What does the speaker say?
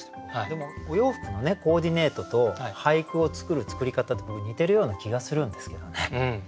でもお洋服のコーディネートと俳句を作る作り方って僕似てるような気がするんですけどね。